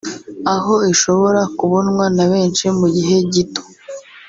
aho ishobora kubonwa na benshi mu gihe gito